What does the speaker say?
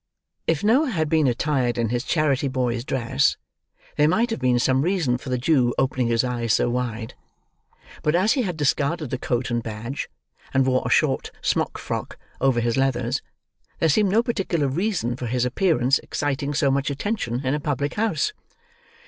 If Noah had been attired in his charity boy's dress, there might have been some reason for the Jew opening his eyes so wide; but as he had discarded the coat and badge, and wore a short smock frock over his leathers, there seemed no particular reason for his appearance exciting so much attention in a public house.